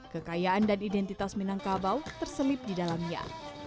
kekayaan dan identitas minangkabau terselip di dalamnya